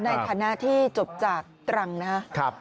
ในฐานะที่จบจากตรังนะครับ